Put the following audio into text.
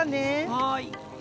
はい。